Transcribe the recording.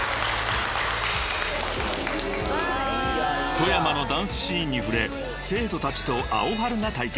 ［富山のダンスシーンに触れ生徒たちとアオハルな体験］